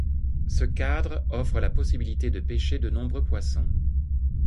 Ce cadre offre la possibilité de pêcher de nombreux poissons.